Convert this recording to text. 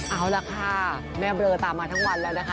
เอาล่ะค่ะแม่เบลอตามมาทั้งวันแล้วนะคะ